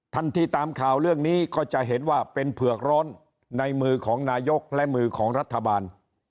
ที่ตามข่าวเรื่องนี้ก็จะเห็นว่าเป็นเผือกร้อนในมือของนายกและมือของรัฐบาล